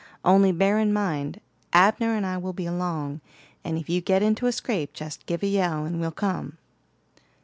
Only bear in mind, Abner and I will be along, and if you get into a scrape jest give a yell and we'll come."